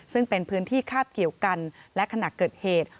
ซึ่งเป็นพื้นที่คาบเกี่ยวกันและขณะเกิดเหตุ